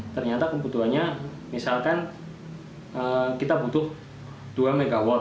ternyata kebutuhannya misalkan kita butuh dua mw